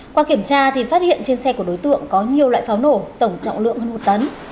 qua kiểm tra thì phát hiện trên xe của đối tượng có nhiều loại pháo nổ tổng trọng lượng hơn một tấn